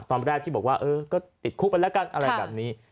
ตอนแรกที่บอกว่าเออก็ติดคุกไปแล้วกันอะไรแบบนี้